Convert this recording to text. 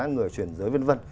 người truyền giới v v